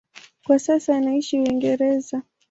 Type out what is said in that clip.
Kwa sasa anaishi Uingereza.